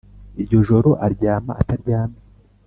iryo joro aryama ataryamye,